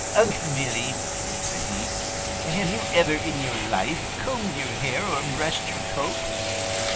"Unc' Billy," said he, "have you ever in your life combed your hair or brushed your coat?"